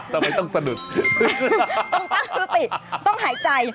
ทำไมต้องสะดุดต้องตั้งสติต้องหายใจ